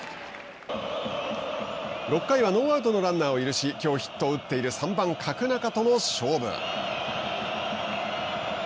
６回はノーアウトのランナーを許しきょう、ヒットを打っている３番角中との勝負。